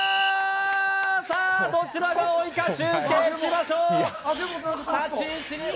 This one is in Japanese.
どちらが多いか集計しましょう。